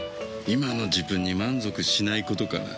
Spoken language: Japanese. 今の自分に満足しないことかな。